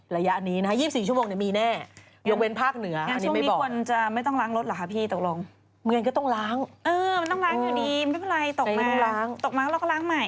ระยะนี้นะฮะ๒๔ชั่วโมงเนี่ยมีแน่